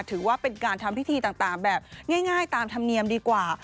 ถือว่าเป็นการทำพิธีต่างแบบง่ายตามธรรมเนียมดีกว่า